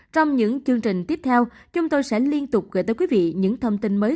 trong những chương trình tiếp theo chúng tôi sẽ liên tục gửi tới quý vị những thông tin mới